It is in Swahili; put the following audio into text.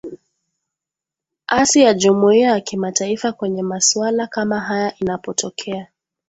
asi ya jumuiya ya kimatifa kwenye masuala kama haya inapotokea